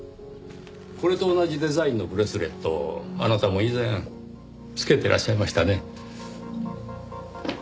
これと同じデザインのブレスレットをあなたも以前着けてらっしゃいましたね？